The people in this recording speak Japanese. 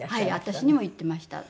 私にも言ってました。